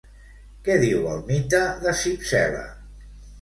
Què diu el mite de Cípsela?